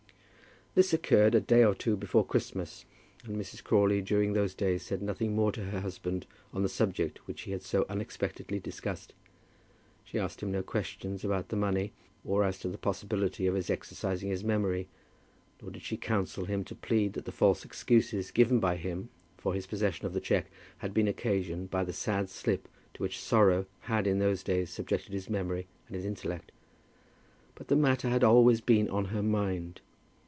This occurred a day or two before Christmas, and Mrs. Crawley during those days said nothing more to her husband on the subject which he had so unexpectedly discussed. She asked him no questions about the money, or as to the possibility of his exercising his memory, nor did she counsel him to plead that the false excuses given by him for his possession of the cheque had been occasioned by the sad slip to which sorrow had in those days subjected his memory and his intellect. But the matter had always been on her mind.